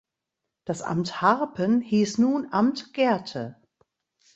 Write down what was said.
Das Amt Harpen hieß nun Amt Gerthe.